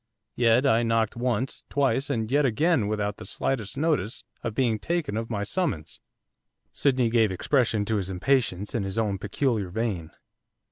Yet I knocked once, twice, and yet again without the slightest notice being taken of my summons. Sydney gave expression to his impatience in his own peculiar vein.